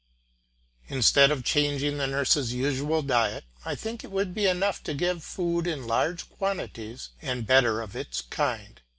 Instead of changing the nurse's usual diet, I think it would be enough to give food in larger quantities and better of its kind.